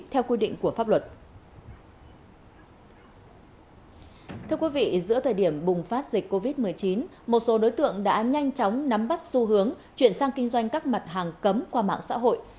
thưa quý vị giữa thời điểm bùng phát dịch covid một mươi chín một số đối tượng đã nhanh chóng nắm bắt xu hướng chuyển sang kinh doanh các mặt hàng cấm qua mạng xã hội